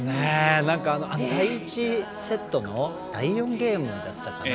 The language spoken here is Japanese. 第１セットの第４ゲームだったかな。